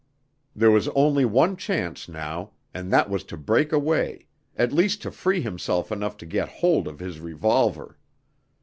There was only one chance now, and that was to break away, at least to free himself enough to get hold of his revolver.